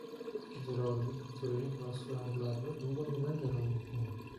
Każdy rolnik, który nie dba o swoją glebę, długo nie będzie rolnikiem